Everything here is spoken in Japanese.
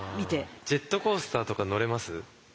ジェットコースターとか乗れます？